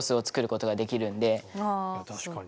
いや確かに。